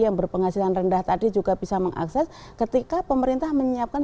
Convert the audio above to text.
yang berpenghasilan rendah tadi juga bisa mengakses ketika pemerintah menyiapkan